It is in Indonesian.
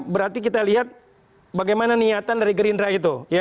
berarti kita lihat bagaimana niatan dari gerindra itu